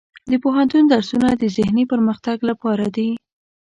د پوهنتون درسونه د ذهني پرمختګ لپاره دي.